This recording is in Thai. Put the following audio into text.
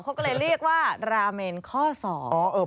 เขาก็เลยเรียกว่าราเมนข้อสอง